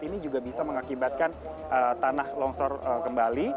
ini juga bisa mengakibatkan tanah longsor kembali